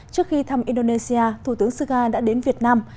trước khi thăm indonesia thủ tướng suga đã đến việt nam